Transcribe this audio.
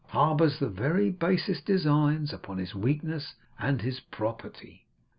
harbours the very basest designs upon his weakness and his property.